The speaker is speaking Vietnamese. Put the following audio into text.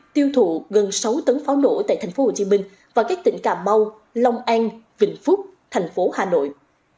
tiêu thụ gần sáu tấn pháo nổ tại tp hcm và các tỉnh cà mau long an vịnh phúc tp hcm